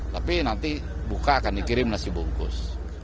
tapi nanti buka akan dikirim nasibungkus